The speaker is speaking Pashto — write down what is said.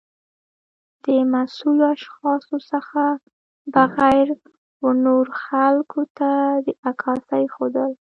د مسؤلو اشخاصو څخه بغیر و نورو خلګو ته د عکاسۍ ښودل